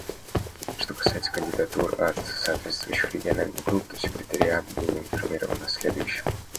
Что касается кандидатур от соответствующих региональных групп, то Секретариат был информирован о следующем.